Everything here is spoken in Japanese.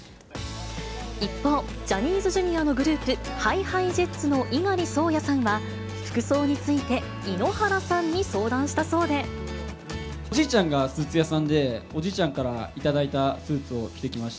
一方、ジャニーズＪｒ．のグループ、ＨｉＨｉＪｅｔｓの猪狩蒼弥さんは、服装について、井ノ原さんに相談おじいちゃんがスーツ屋さんで、おじいちゃんから頂いたスーツを着てきました。